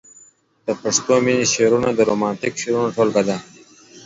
د پښتو مينې شعرونه د رومانتيک شعرونو ټولګه ده.